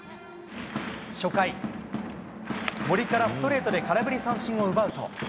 初回、森からストレートで空振り三振を奪うと。